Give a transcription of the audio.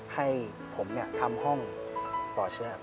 ให้ผมเนี่ยทำห้องป่อเชื้อ